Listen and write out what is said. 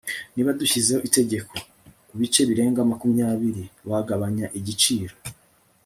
niba dushyizeho itegeko kubice birenga makumyabiri, wagabanya igiciro